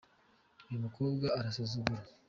uyu mukobwa arasuzugura.